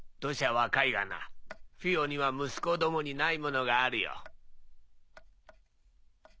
年は若いがなフィオには息子どもにないものがあるよ。